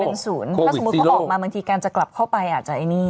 ถ้าสมมุติเขาออกมาบางทีการจะกลับเข้าไปอาจจะไอ้นี่